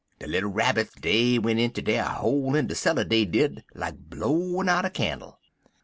De little Rabbits dey went inter dere hole in de cellar, dey did, like blowin' out a cannle.